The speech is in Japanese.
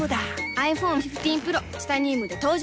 ｉＰｈｏｎｅ１５Ｐｒｏ チタニウムで登場